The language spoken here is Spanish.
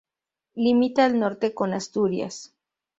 Limita al Norte con Asturias.